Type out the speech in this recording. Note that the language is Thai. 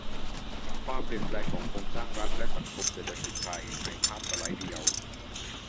ความเปลี่ยนแปลงของโครงสร้างรัฐ และ สังคม-เศรษฐกิจไทย ในภาพสไลด์เดียว